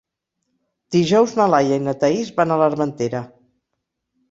Dijous na Laia i na Thaís van a l'Armentera.